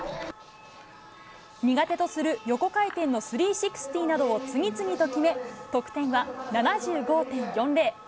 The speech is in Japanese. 苦手とする横回転の３６０などを次々と決め、得点は７５．４０。